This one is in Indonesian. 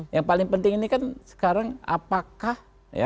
yang paling penting ini kan sekarang apakah